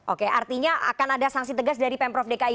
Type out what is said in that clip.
oke artinya akan ada sanksi tegas dari pemprov dki